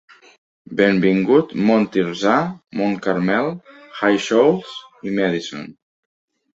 Benvingut, Mont Tirzah, Mont Carmel, High Shoals i Madison.